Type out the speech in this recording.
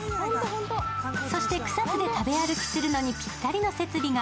そして草津で食べ歩きするのにぴったりの施設が、